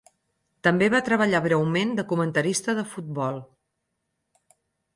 També va treballar breument de comentarista de futbol.